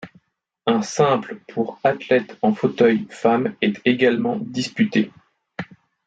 Un simple pour athlète en fauteuil femmes est également disputé.